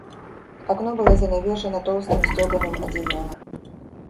Окно было занавешено толстым стёганым одеялом.